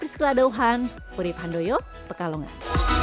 priskela dohan purif handoyo pekalongan